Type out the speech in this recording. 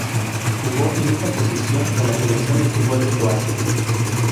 Jugó en esta posición en la Selección de fútbol de Croacia.